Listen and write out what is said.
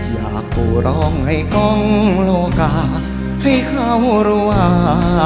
อยากกู่ร้องให้กล้องโลกาให้เขารู้ว่า